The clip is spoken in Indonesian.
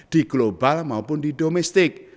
di global maupun di domestik